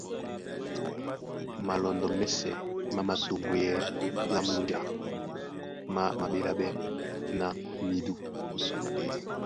Malɔndɔ́ mɛ́sɛ̄ má mātoŋgweyɛɛ́ lá múnja, má maɓéláɓɛ́ ná midû.